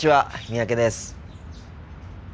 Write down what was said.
三宅です。